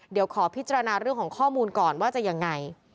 เดี๋ยวขอพิจารณาเรื่องของข้อมูลก่อนว่าจะยังไง